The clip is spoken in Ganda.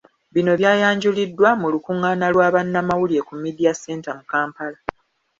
Bino byayanjuliddwa mu lukungaana lwa Bannamawulire ku Media Centre mu Kampala.